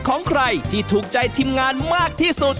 ของใครที่ถูกใจทีมงานมากที่สุด